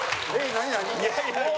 何？